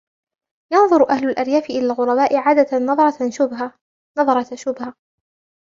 ينظر أهل الأرياف إلى الغرباء عادةً نظرة شبهة.